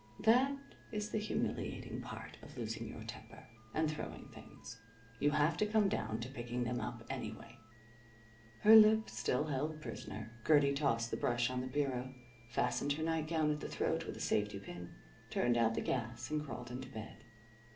That is the humiliating part of losing your temper and throwing things. You have to come down to picking them up, anyway. Her lip still held prisoner, Gertie tossed the brush on the bureau, fastened her nightgown at the throat with a safety pin, turned out the gas and crawled into bed.